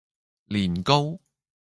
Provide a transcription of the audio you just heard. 年糕